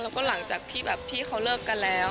แล้วก็หลังจากที่แบบพี่เขาเลิกกันแล้ว